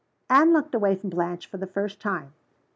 Anne looked away from Blanche for the first time.